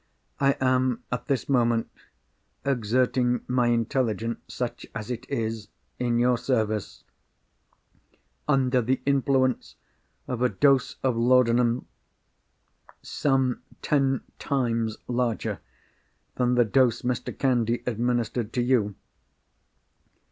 I am, at this moment, exerting my intelligence (such as it is) in your service, under the influence of a dose of laudanum, some ten times larger than the dose Mr. Candy administered to you.